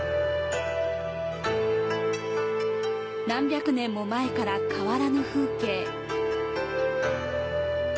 何百年も前から変わらぬ風景。